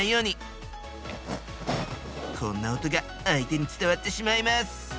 こんな音が相手に伝わってしまいます。